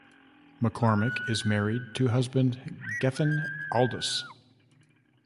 McCormick is married to husband Gethin Aldous.